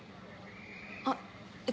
あっえっと。